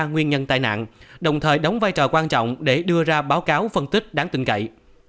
nguyên nhân tai nạn đồng thời đóng vai trò quan trọng để đưa ra báo cáo phân tích đáng tin cậy